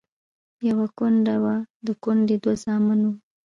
يوه کونډه وه، د کونډې دوه زامن وو.